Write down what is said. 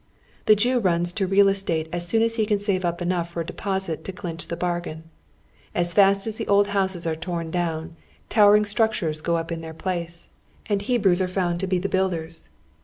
The Jew runs to real estate as soon as be can save up enough for a deposit to clinch the bargain. As fast as the old liouses are torn down, towering structures go up in their place, and Hebrews are found to be the buildei^s.